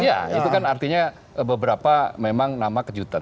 iya itu kan artinya beberapa memang nama kejutan